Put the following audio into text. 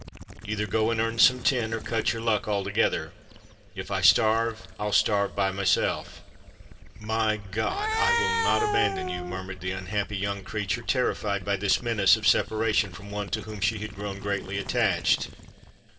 Either go and earn some tin, or cut your lucky altogether. If I starve, I'll starve by myself——" "My God! I will not abandon you!" murmured the unhappy young creature, terrified by this menace of separation from one to whom she had grown greatly attached.